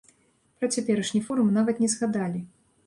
Пра цяперашні форум нават не згадалі.